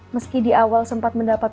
meski di awal sempat mendapat